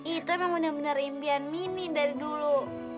itu emang benar benar impian mini dari dulu